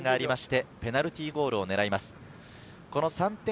ペナルティーがありましてペナルティーゴールを狙います。